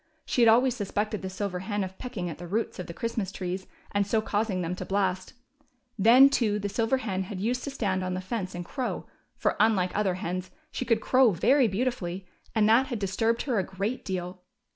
She had always suspected the silver hen of pecking at the roots of the Christmas trees and so causing them to blast ; then, too, the silver hen had used to stand on the fence and crow ; for, unlike other hens, she could crow very beautifully, and that had disturbed her a great deal.